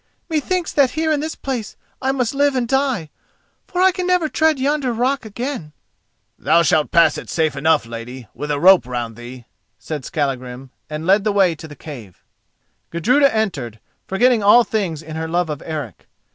Methinks that here in this place I must live and die, for I can never tread yonder rock again." "Thou shalt pass it safe enough, lady, with a rope round thee," said Skallagrim, and led the way to the cave. Gudruda entered, forgetting all things in her love of Eric.